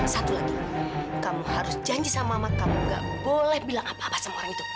satu lagi kamu harus janji sama mama kamu gak boleh bilang apa apa sama orang itu